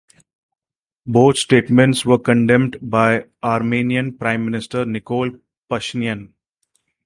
Both statements were condemned by Armenian prime minister Nikol Pashinyan.